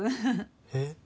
えっ？